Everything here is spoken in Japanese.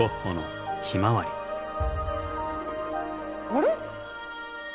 あれ？